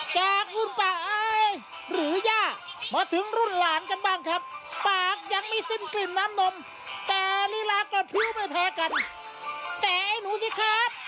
แกละคุณปากหรือยะมาถึงรุ่นหลานจับบ้างครับปากยังมีซึ้นกลิ่นน้ำนมแต่หลีลากกับผิวไม่แพ้กันแซ่ไอ้หนูสิครับ